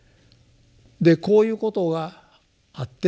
でこういうことがあってですね